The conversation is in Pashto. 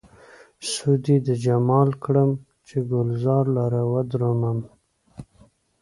سود يې د جمال کړم، چې ګلزار لره ودرومم